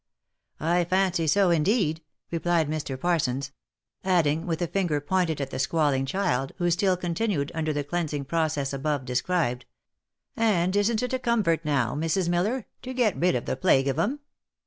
*'" I fancy so, indeed," replied Mr. Parsons ; adding, with a finger pointed at the squalling child, who still continued under the cleans ing process above described, " And isn't it a comfort now, Mrs. Miller, to get rid of the plague of 'em